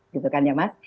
gitu kan ya mas